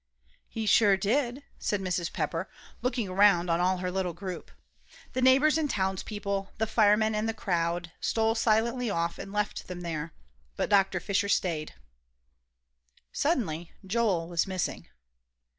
"He surely did," said Mrs. Pepper, looking around on all her little group. The neighbors and townspeople, the firemen and the crowd, stole silently off and left them there, but Dr. Fisher stayed. Suddenly Joel was missing.